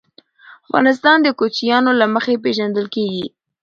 افغانستان د کوچیانو له مخي پېژندل کېږي.